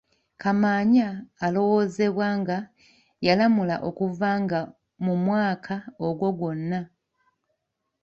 Kamaanya alowoozebwa nga yalamula okuva nga mu mwaka ogwo gwonna.